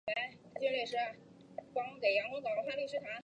尤其在西半球最多样。